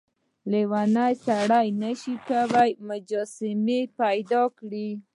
لیونی سړی نشي کولای چې مجسمې پیدا کړي.